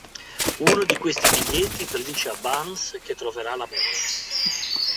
Uno di questi biglietti predice a Burns che troverà l'amore.